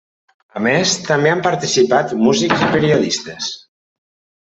A més, també han participat músics i periodistes.